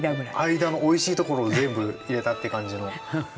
間のおいしいところを全部入れたって感じの。